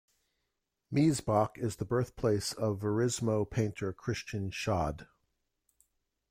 Miesbach is the birthplace of Verismo painter Christian Schad.